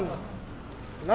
namun semoga berjaya